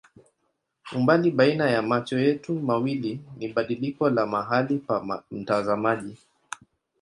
Umbali baina ya macho yetu mawili ni badiliko la mahali pa mtazamaji.